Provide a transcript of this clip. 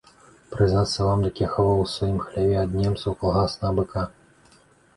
Прызнацца вам, дык я хаваў у сваім хляве ад немцаў калгаснага быка.